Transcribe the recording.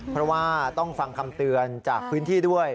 เพราะว่าต้องฟังคำเตือนจากพื้นที่ด้วย